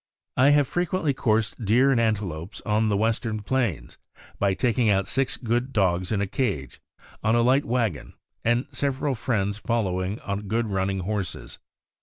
I have frequently coursed deer and antelopes on the Western plains by taking out six good dogs in a cage, on a light wagon, and several friends following on good run ning horses.